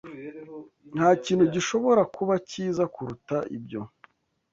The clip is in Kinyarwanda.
Nta kintu gishobora kuba cyiza kuruta ibyo.